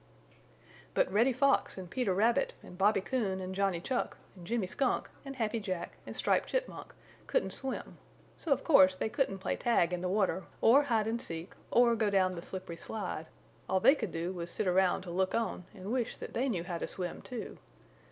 But Reddy Fox and Peter Rabbit and Bobby Coon and Johnny Chuck and Jimmy Skunk and Happy Jack and Striped Chipmunk couldn't swim, so of course they couldn't play tag in the water or hide and seek or go down the slippery slide; all they could do was sit around to look on and wish that they knew how to swim, too.